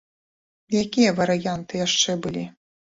Якія варыянты яшчэ былі?